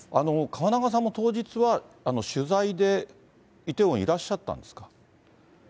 河中さんも当日は取材でイテウォン、いらっしゃったんですか。